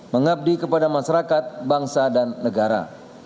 mengabdi kepada masyarakat bangsa dan negara